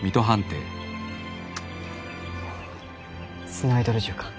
スナイドル銃か。